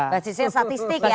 bahasanya statistik ya